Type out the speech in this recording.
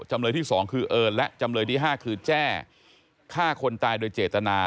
จำเลยที่๒คือเอิญและจำเลยที่๕คือแจ้ฆ่าคนตายโดยเจตนา